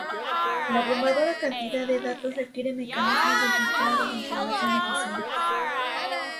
La abrumadora cantidad de datos requiere mecanismos de filtrado de información eficientes.